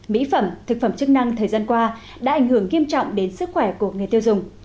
mỹ phẩm thực phẩm chức năng thời gian qua đã ảnh hưởng nghiêm trọng đến sức khỏe của người tiêu dùng